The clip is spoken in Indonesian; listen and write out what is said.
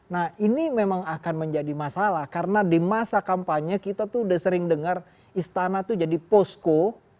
nah ini memang akan menjadi masalah karena di masa kampanye kita tuh udah sering dengar istana itu jadi posko